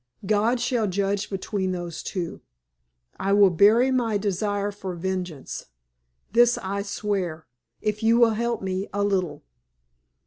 God shall judge between those two I will bury my desire for vengeance. This I swear if you will help me a little."